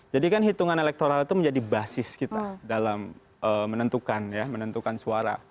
jadi kan hitungan elektoral itu menjadi basis kita dalam menentukan suara